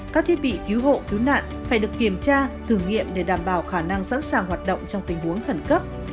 các thiết bị cứu hộ cứu nạn phải được kiểm tra thử nghiệm để đảm bảo khả năng sẵn sàng hoạt động trong tình huống khẩn cấp